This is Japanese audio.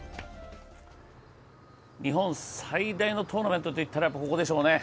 日本最大のトーナメントといったらここでしょうね。